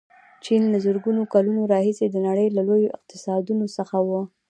چین له زرګونو کلونو راهیسې د نړۍ له لویو اقتصادونو څخه و.